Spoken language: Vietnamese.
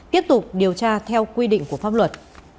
tiếp tục điều tra theo quy định của pháp luật